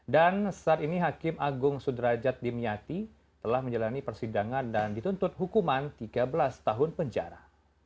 dan saat ini hakim agung sudrajat dimyati telah menjalani persidangan dan dituntut hukuman tiga belas tahun penjara